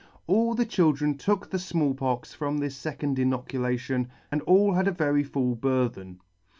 All the children took the Small Pox from this fecond inoculation, and all had a very full burthen.